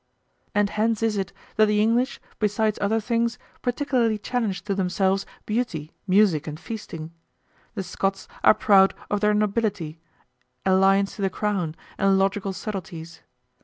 And hence is it that the English, besides other things, particularly challenge to themselves beauty, music, and feasting. The Scots are proud of their nobility, alliance to the crown, and logical subtleties.